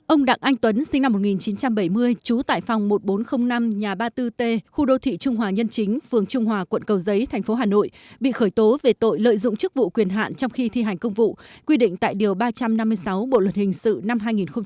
ông đặng anh tuấn sinh năm một nghìn chín trăm bảy mươi trú tại phòng một nghìn bốn trăm linh năm nhà ba mươi bốn t khu đô thị trung hòa nhân chính phường trung hòa quận cầu giấy thành phố hà nội bị khởi tố về tội lợi dụng chức vụ quyền hạn trong khi thi hành công vụ quy định tại điều ba trăm năm mươi sáu bộ luật hình sự năm hai nghìn một mươi năm